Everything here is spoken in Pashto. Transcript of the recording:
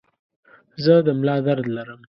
زه د ملا درد لرم.